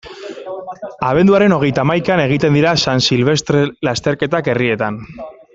Abenduaren hogeita hamaikan egiten dira San Silvestre lasterketak herrietan.